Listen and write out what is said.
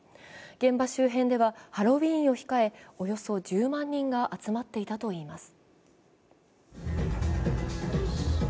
現場周辺ではハロウィーンを控え、およそ１０万人が集まっていたといいます。